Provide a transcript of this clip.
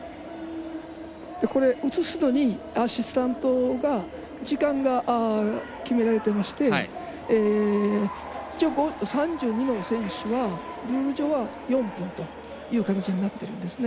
移すのに時間が決められていまして一応、３２の選手は入場は４分という換算になってるんですね。